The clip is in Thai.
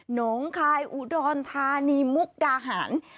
งคายอุดรธานีมุกดาหาร